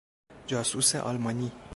جاسوس آلمانی